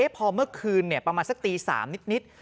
พอเมื่อคืนประมาณสักตี๓นิด